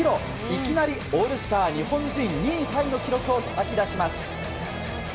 いきなりオールスター日本人２位タイの記録をたたき出します。